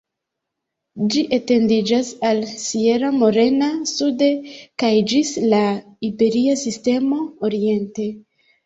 Ĝi etendiĝas al Sierra Morena sude kaj ĝis la Iberia Sistemo oriente.